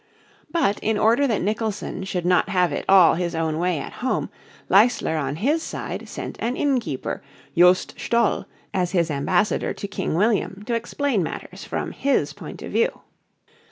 But in order that Nicholson should not have it all his own way at home Leisler on his side sent an innkeeper, Joost Stoll, as his ambassador to King William to explain matters from his point of view.